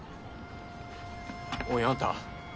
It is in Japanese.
おいあんた！